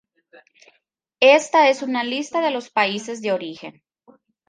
Esta es una lista de los países de origen.